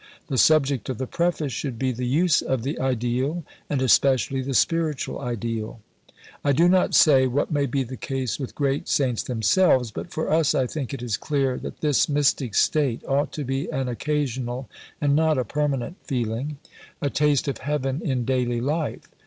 The subject of the Preface should be the use of the ideal and especially the spiritual ideal. I do not say what may be the case with great Saints themselves, but for us I think it is clear that this mystic state ought to be an occasional and not a permanent feeling a taste of heaven in daily life.